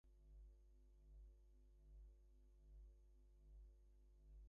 Later that same year Ricci recorded his first album, "Jason Ricci".